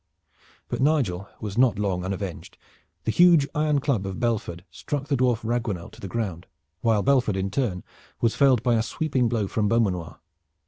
But Nigel was not long unavenged. The huge iron club of Belford struck the dwarf Raguenel to the ground, while Belford in turn was felled by a sweeping blow from Beaumanoir.